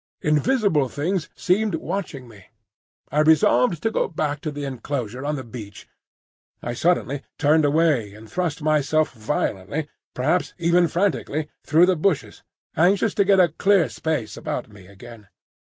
Invisible things seemed watching me. I resolved to go back to the enclosure on the beach. I suddenly turned away and thrust myself violently, possibly even frantically, through the bushes, anxious to get a clear space about me again.